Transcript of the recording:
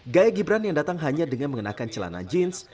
gaya gibran yang datang hanya dengan mengenakan celana jeans